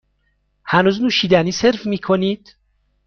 هنوز نوشیدنی سرو می کنید؟